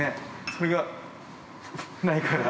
それが、ないから。